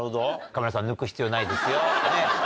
カメラさん、抜く必要ないですよ。